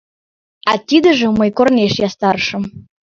А тидыжым мый корнеш ястарышым...